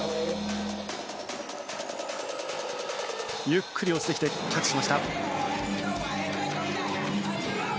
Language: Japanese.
ゆっくり落ちてきてキャッチしました。